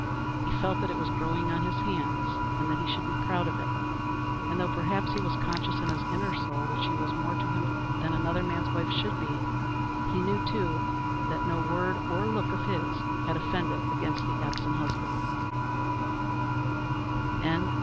He felt that it was growing on his hands and that he should be proud of it, and though, perhaps, he was conscious in his inner soul that she was more to him than another man's wife should be, he knew too, that no word or look of his had offended against the absent husband.